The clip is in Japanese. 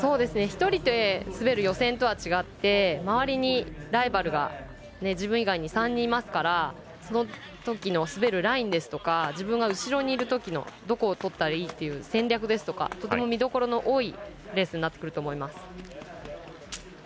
１人で滑る予選とは違って周りにライバルが自分以外に３人いますからそのときの滑るラインですとか自分が後ろにいるときのどこを通ったらいいという戦略ですとかとても見どころの多いレースになってくると思います。